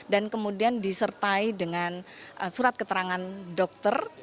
dan kemudian disertai dengan surat keterangan dokter